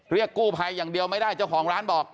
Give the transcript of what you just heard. เรียกกู้ภัยอย่างเดียวไม่ได้เจ้าของร้านบอก